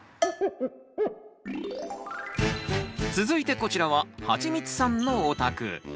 続いてこちらははちみつさんのお宅。